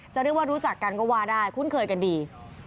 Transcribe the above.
จะเรียกว่ารู้จักกันก็ว่าได้คุ้นเคยกันดี